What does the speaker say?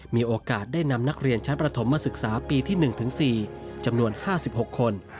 มีโอกาสได้นำนักเรียนชั้นประถมมาศึกษาปีที่๑ถึง๔จำนวน๕๖คน